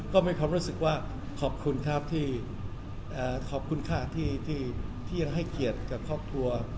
ก็มีความรู้สึกว่าขอบคุณครับที่ยังให้เกียรติกับครอบครัว